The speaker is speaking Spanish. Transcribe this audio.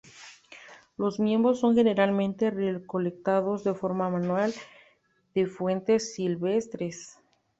Los mismos son generalmente recolectados de forma manual de fuentes silvestres.